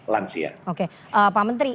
langsia pak menteri